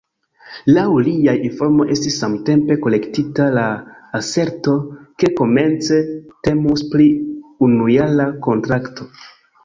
Laŭ liaj informoj estis samtempe korektita la aserto, ke komence temus pri unujara kontrakto.